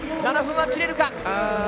７分は切れるか？